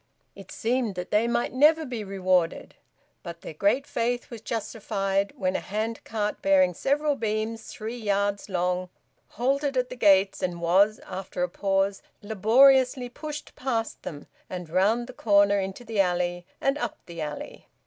It seemed that they might never be rewarded, but their great faith was justified when a hand cart, bearing several beams three yards long, halted at the gates and was, after a pause, laboriously pushed past them and round the corner into the alley and up the alley.